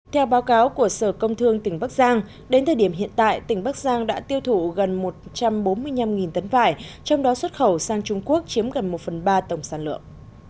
theo báo cáo của sở công thương tỉnh bắc giang đến thời điểm hiện tại tỉnh bắc giang đã tiêu thụ gần một trăm bốn mươi năm tấn vải trong đó xuất khẩu sang trung quốc chiếm gần một phần ba tổng sản lượng